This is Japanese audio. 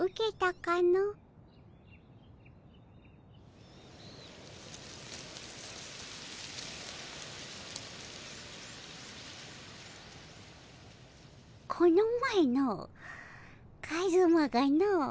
この前のカズマがの。